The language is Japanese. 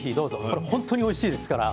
これ本当においしいですから。